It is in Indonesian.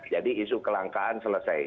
jadi isu kelangkaan selesai